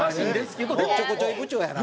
おっちょこちょい部長やな。